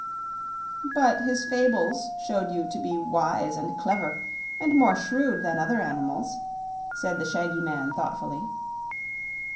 "But his fables showed you to be wise and clever, and more shrewd than other animals," said the shaggy man, thoughtfully.